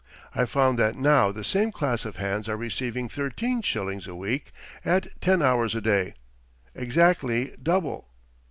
I find that now the same class of hands are receiving thirteen shillings a week at ten hours a day exactly double.